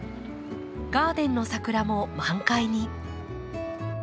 ガーデンの桜も満開に。